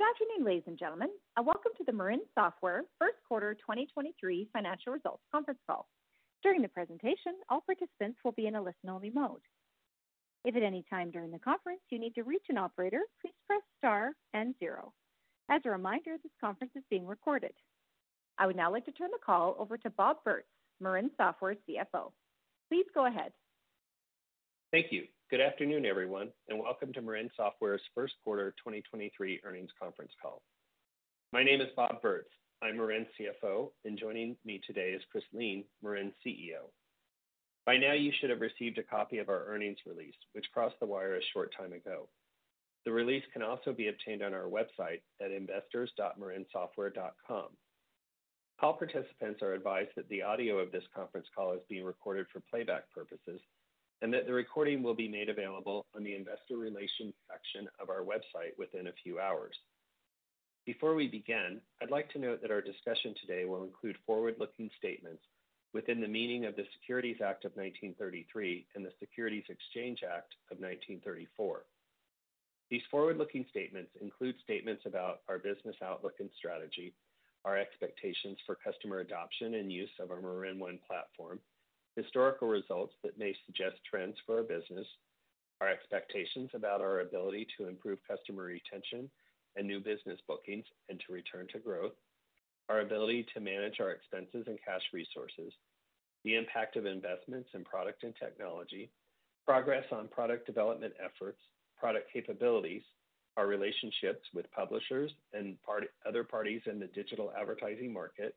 Good afternoon, ladies and gentlemen, welcome to the Marin Software First Quarter 2023 Financial Results Conference Call. During the presentation, all participants will be in a listen-only mode. If at any time during the conference you need to reach an operator, please press star and zero. As a reminder, this conference is being recorded. I would now like to turn the call over to Bob Bertz, Marin Software's CFO. Please go ahead. Thank you. Good afternoon, everyone, and welcome to Marin Software's First Quarter 2023 Earnings Conference Call. My name is Bob Bertz. I'm Marin's CFO, and joining me today is Chris Lien, Marin's CEO. By now you should have received a copy of our earnings release, which crossed the wire a short time ago. The release can also be obtained on our website at investors.marinsoftware.com. All participants are advised that the audio of this conference call is being recorded for playback purposes and that the recording will be made available on the investor relations section of our website within a few hours. Before we begin, I'd like to note that our discussion today will include forward-looking statements within the meaning of the Securities Act of 1933 and the Securities Exchange Act of 1934. These forward-looking statements include statements about our business outlook and strategy, our expectations for customer adoption and use of our MarinOne platform, historical results that may suggest trends for our business, our expectations about our ability to improve customer retention and new business bookings and to return to growth, our ability to manage our expenses and cash resources, the impact of investments in product and technology, progress on product development efforts, product capabilities, our relationships with publishers and other parties in the digital advertising market,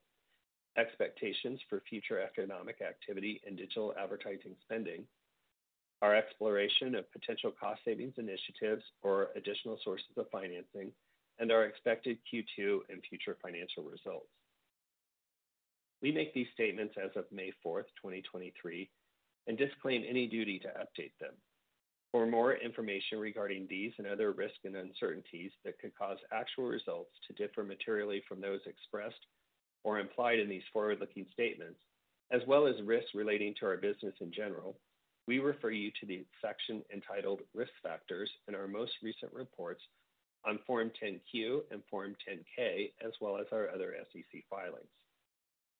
expectations for future economic activity and digital advertising spending, our exploration of potential cost savings initiatives or additional sources of financing, and our expected Q2 and future financial results. We make these statements as of May 4th, 2023, and disclaim any duty to update them. For more information regarding these and other risks and uncertainties that could cause actual results to differ materially from those expressed or implied in these forward-looking statements, as well as risks relating to our business in general, we refer you to the section entitled Risk Factors in our most recent reports on Form 10-Q and Form 10-K, as well as our other SEC filings.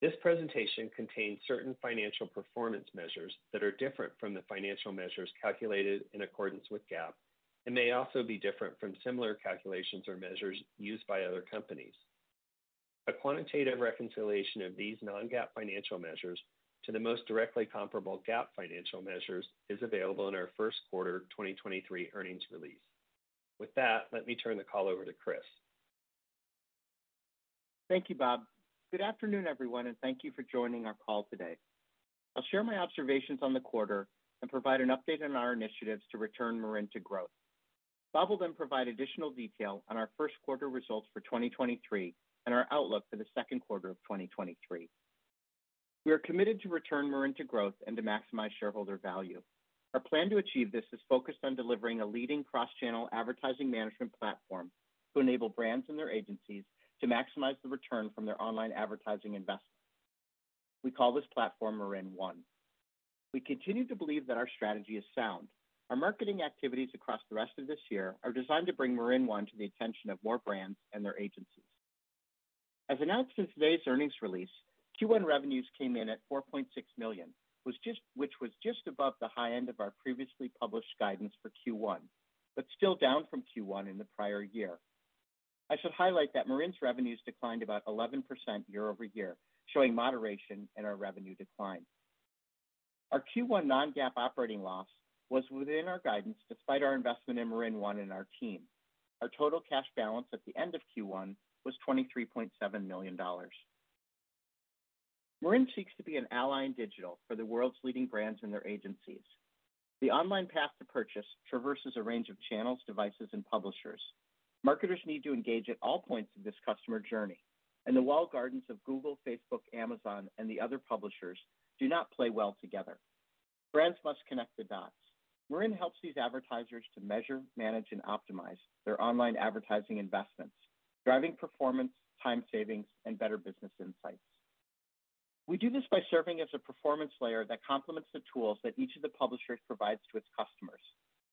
This presentation contains certain financial performance measures that are different from the financial measures calculated in accordance with GAAP and may also be different from similar calculations or measures used by other companies. A quantitative reconciliation of these non-GAAP financial measures to the most directly comparable GAAP financial measures is available in our first quarter 2023 earnings release. With that, let me turn the call over to Chris. Thank you, Bob. Good afternoon, everyone, and thank you for joining our call today. I'll share my observations on the quarter and provide an update on our initiatives to return Marin to growth. Bob will provide additional detail on our first quarter results for 2023 and our outlook for the second quarter of 2023. We are committed to return Marin to growth and to maximize shareholder value. Our plan to achieve this is focused on delivering a leading cross-channel advertising management platform to enable brands and their agencies to maximize the return from their online advertising investments. We call this platform MarinOne. We continue to believe that our strategy is sound. Our marketing activities across the rest of this year are designed to bring MarinOne to the attention of more brands and their agencies. As announced in today's earnings release, Q1 revenues came in at $4.6 million, which was just above the high end of our previously published guidance for Q1, but still down from Q1 in the prior year. I should highlight that Marin's revenues declined about 11% year-over-year, showing moderation in our revenue decline. Our Q1 non-GAAP operating loss was within our guidance despite our investment in MarinOne and our team. Our total cash balance at the end of Q1 was $23.7 million. Marin seeks to be an ally in digital for the world's leading brands and their agencies. The online path to purchase traverses a range of channels, devices and publishers. Marketers need to engage at all points of this customer journey, and the walled gardens of Google, Facebook, Amazon, and the other publishers do not play well together. Brands must connect the dots. Marin helps these advertisers to measure, manage, and optimize their online advertising investments, driving performance, time savings, and better business insights. We do this by serving as a performance layer that complements the tools that each of the publishers provides to its customers.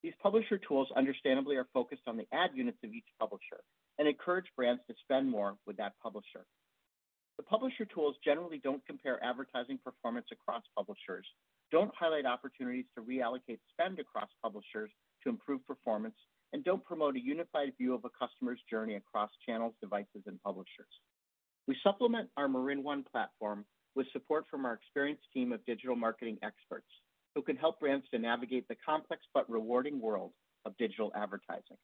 These publisher tools understandably are focused on the ad units of each publisher and encourage brands to spend more with that publisher. The publisher tools generally don't compare advertising performance across publishers, don't highlight opportunities to reallocate spend across publishers to improve performance, and don't promote a unified view of a customer's journey across channels, devices, and publishers. We supplement our MarinOne platform with support from our experienced team of digital marketing experts who can help brands to navigate the complex but rewarding world of digital advertising.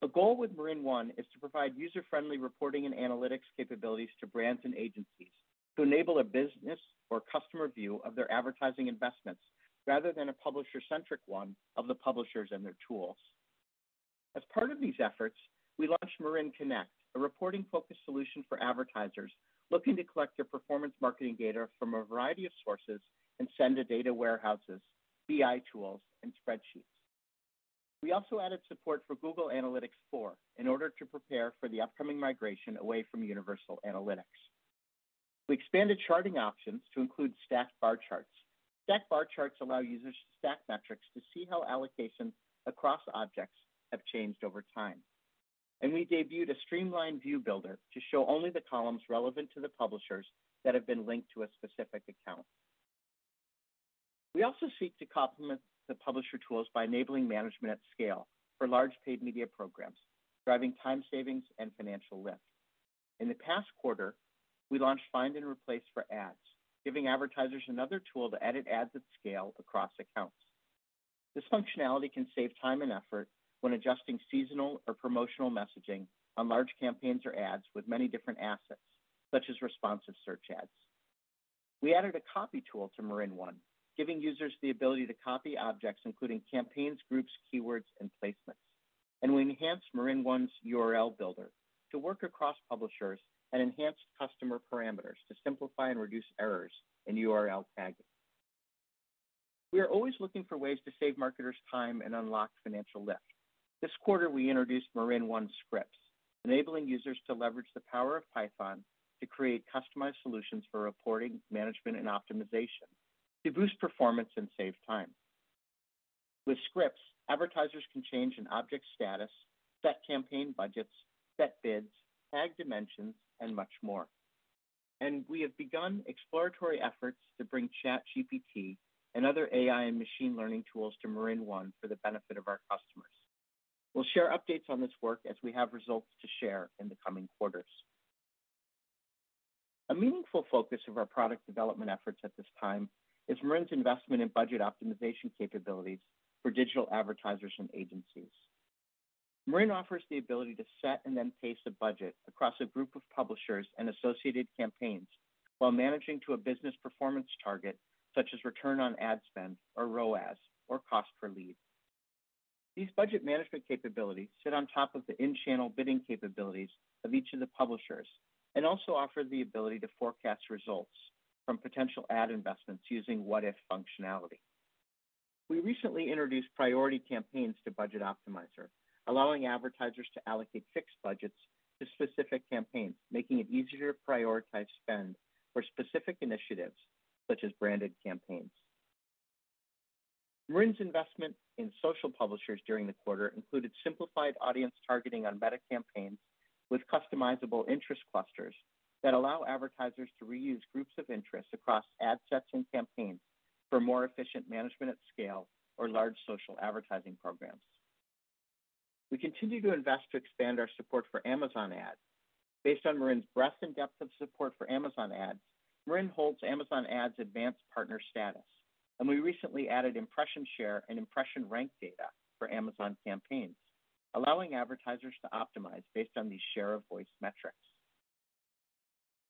The goal with MarinOne is to provide user-friendly reporting and analytics capabilities to brands and agencies to enable a business or customer view of their advertising investments rather than a publisher-centric one of the publishers and their tools. As part of these efforts, we launched Marin Connect, a reporting-focused solution for advertisers looking to collect their performance marketing data from a variety of sources and send to data warehouses, BI tools, and spreadsheets. We also added support for Google Analytics 4 in order to prepare for the upcoming migration away from Universal Analytics. We expanded charting options to include stacked bar charts. Stacked bar charts allow users to stack metrics to see how allocations across objects have changed over time. We debuted a streamlined view builder to show only the columns relevant to the publishers that have been linked to a specific account. We also seek to complement the publisher tools by enabling management at scale for large paid media programs, driving time savings and financial lift. In the past quarter, we launched Find and Replace for ads, giving advertisers another tool to edit ads at scale across accounts. This functionality can save time and effort when adjusting seasonal or promotional messaging on large campaigns or ads with many different assets, such as responsive search ads. We added a copy tool to MarinOne, giving users the ability to copy objects, including campaigns, groups, keywords, and placements. We enhanced MarinOne's URL Builder to work across publishers and enhanced customer parameters to simplify and reduce errors in URL tagging. We are always looking for ways to save marketers time and unlock financial lift. This quarter, we introduced MarinOne Scripts, enabling users to leverage the power of Python to create customized solutions for reporting, management, and optimization to boost performance and save time. With scripts, advertisers can change an object's status, set campaign budgets, set bids, tag dimensions, and much more. We have begun exploratory efforts to bring ChatGPT and other AI and machine learning tools to MarinOne for the benefit of our customers. We'll share updates on this work as we have results to share in the coming quarters. A meaningful focus of our product development efforts at this time is Marin's investment in budget optimization capabilities for digital advertisers and agencies. Marin offers the ability to set and then pace a budget across a group of publishers and associated campaigns while managing to a business performance target such as return on ad spend, or ROAS, or cost per lead. These budget management capabilities sit on top of the in-channel bidding capabilities of each of the publishers and also offer the ability to forecast results from potential ad investments using what-if functionality. We recently introduced priority campaigns to Budget Optimizer, allowing advertisers to allocate fixed budgets to specific campaigns, making it easier to prioritize spend for specific initiatives such as branded campaigns. Marin's investment in social publishers during the quarter included simplified audience targeting on Meta campaigns with customizable interest clusters that allow advertisers to reuse groups of interest across ad sets and campaigns for more efficient management at scale or large social advertising programs. We continue to invest to expand our support for Amazon Ads. Based on Marin's breadth and depth of support for Amazon Ads, Marin holds Amazon Ads advanced partner status, and we recently added impression share and impression rank data for Amazon campaigns, allowing advertisers to optimize based on these share of voice metrics.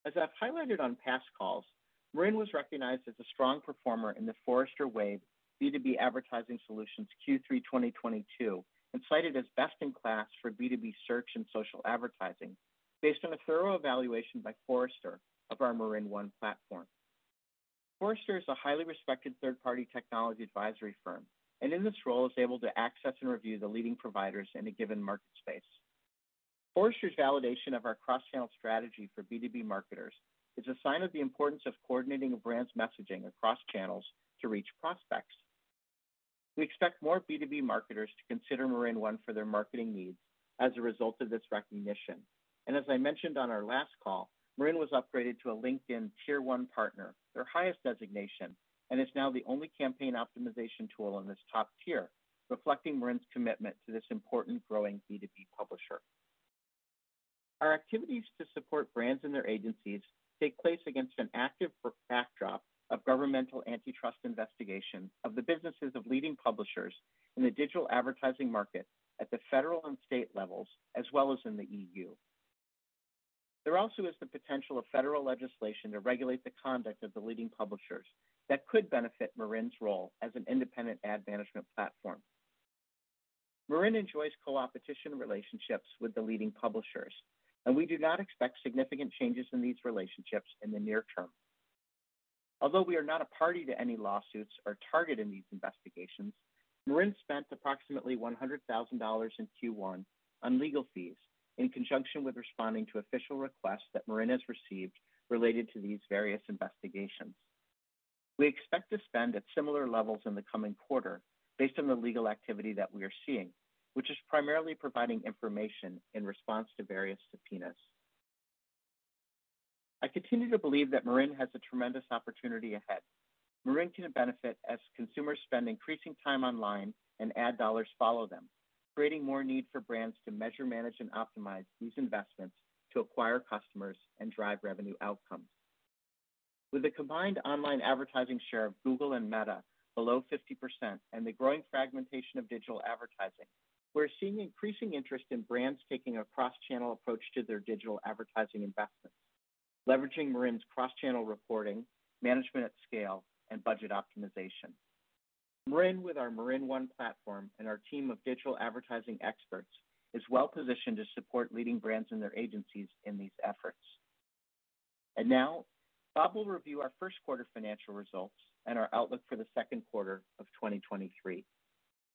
As I've highlighted on past calls, Marin was recognized as a strong performer in Forrester Wave B2B Advertising Solutions Q3 2022, and cited as best in class for B2B search and social advertising based on a thorough evaluation by Forrester of our MarinOne platform. Forrester is a highly respected third-party technology advisory firm, and in this role is able to access and review the leading providers in a given market space. Forrester's validation of our cross-channel strategy for B2B marketers is a sign of the importance of coordinating a brand's messaging across channels to reach prospects. We expect more B2B marketers to consider MarinOne for their marketing needs as a result of this recognition. As I mentioned on our last call, Marin was upgraded to a LinkedIn Tier One partner, their highest designation, and is now the only campaign optimization tool in this top tier, reflecting Marin's commitment to this important growing B2B publisher. Our activities to support brands and their agencies take place against an active backdrop of governmental antitrust investigation of the businesses of leading publishers in the digital advertising market at the federal and state levels, as well as in the EU. There also is the potential of federal legislation to regulate the conduct of the leading publishers that could benefit Marin's role as an independent ad management platform. Marin enjoys co-opetition relationships with the leading publishers, and we do not expect significant changes in these relationships in the near term. Although we are not a party to any lawsuits or target in these investigations, Marin spent approximately $100,000 in Q1 on legal fees in conjunction with responding to official requests that Marin has received related to these various investigations. We expect to spend at similar levels in the coming quarter based on the legal activity that we are seeing, which is primarily providing information in response to various subpoenas. I continue to believe that Marin has a tremendous opportunity ahead. Marin can benefit as consumers spend increasing time online and ad dollars follow them, creating more need for brands to measure, manage, and optimize these investments to acquire customers and drive revenue outcomes. With a combined online advertising share of Google and Meta below 50% and the growing fragmentation of digital advertising, we're seeing increasing interest in brands taking a cross-channel approach to their digital advertising investments, leveraging Marin's cross-channel reporting, management at scale, and budget optimization. Marin, with our MarinOne platform and our team of digital advertising experts, is well positioned to support leading brands and their agencies in these efforts. Now Bob will review our first quarter financial results and our outlook for the second quarter of 2023.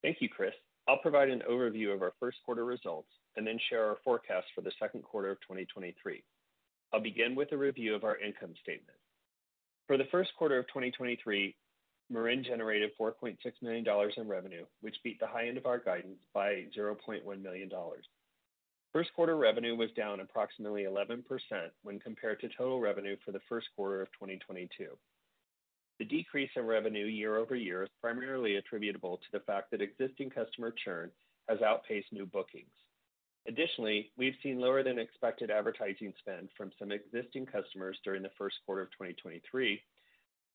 Thank you, Chris. I'll provide an overview of our first quarter results and then share our forecast for the second quarter of 2023. I'll begin with a review of our income statement. For the first quarter of 2023, Marin generated $4.6 million in revenue, which beat the high end of our guidance by $0.1 million. First quarter revenue was down approximately 11% when compared to total revenue for the first quarter of 2022. The decrease in revenue year-over-year is primarily attributable to the fact that existing customer churn has outpaced new bookings. Additionally, we've seen lower than expected advertising spend from some existing customers during the first quarter of 2023,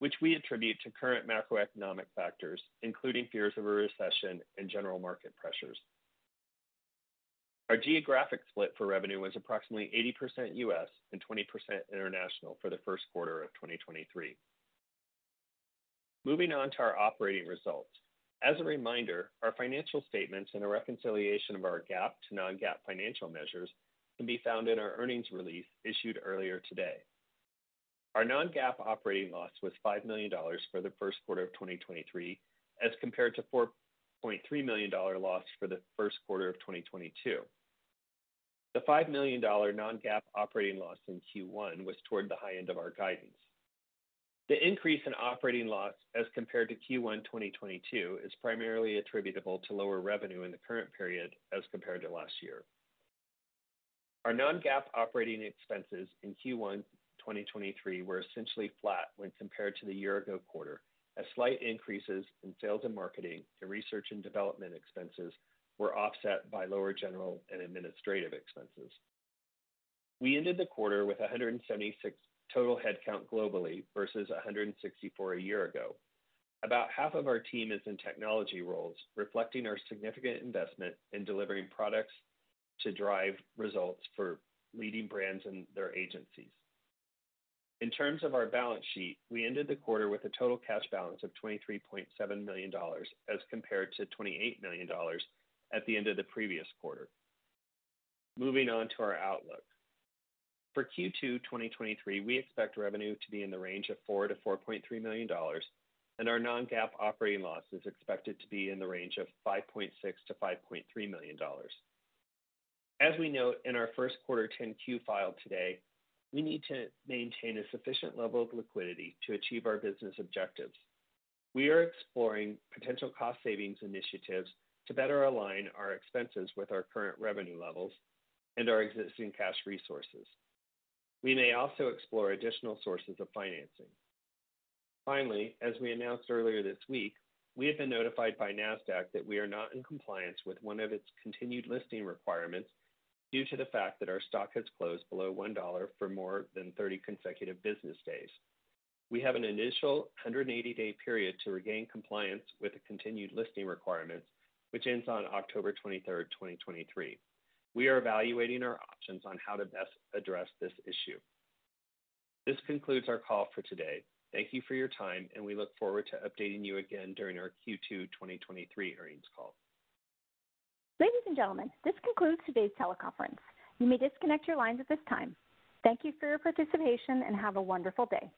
which we attribute to current macroeconomic factors, including fears of a recession and general market pressures. Our geographic split for revenue was approximately 80% U.S. and 20% international for the first quarter of 2023. Moving on to our operating results. As a reminder, our financial statements and a reconciliation of our GAAP to non-GAAP financial measures can be found in our earnings release issued earlier today. Our non-GAAP operating loss was $5 million for the first quarter of 2023, as compared to $4.3 million loss for the first quarter of 2022. The $5 million non-GAAP operating loss in Q1 was toward the high end of our guidance. The increase in operating loss as compared to Q1 2022 is primarily attributable to lower revenue in the current period as compared to last year. Our non-GAAP operating expenses in Q1 2023 were essentially flat when compared to the year ago quarter, as slight increases in sales and marketing and research and development expenses were offset by lower general and administrative expenses. We ended the quarter with 176 total headcount globally versus 164 a year ago. About half of our team is in technology roles, reflecting our significant investment in delivering products to drive results for leading brands and their agencies. In terms of our balance sheet, we ended the quarter with a total cash balance of $23.7 million, as compared to $28 million at the end of the previous quarter. Moving on to our outlook. For Q2 2023, we expect revenue to be in the range of $4 million-$4.3 million, and our non-GAAP operating loss is expected to be in the range of $5.6 million-$5.3 million. As we note in our first quarter 10-Q file today, we need to maintain a sufficient level of liquidity to achieve our business objectives. We are exploring potential cost savings initiatives to better align our expenses with our current revenue levels and our existing cash resources. We may also explore additional sources of financing. Finally, as we announced earlier this week, we have been notified by Nasdaq that we are not in compliance with one of its continued listing requirements due to the fact that our stock has closed below $1 for more than 30 consecutive business days. We have an initial 180 day period to regain compliance with the continued listing requirements, which ends on October 23rd, 2023. We are evaluating our options on how to best address this issue. This concludes our call for today. Thank you for your time, and we look forward to updating you again during our Q2 2023 earnings call. Ladies and gentlemen, this concludes today's teleconference. You may disconnect your lines at this time. Thank you for your participation, and have a wonderful day.